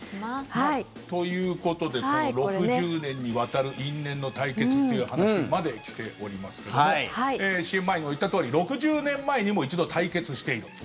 ということで６０年にわたる因縁の対決という話までしておりますけどもＣＭ前にも言ったとおり６０年前にも一度対決している。